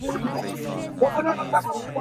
Siknak a hrial mi cu mifim an si.